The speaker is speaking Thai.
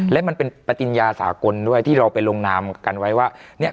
และมันเป็นปฏิญญาสากลด้วยที่เราไปลงนามกันไว้ว่าเนี่ย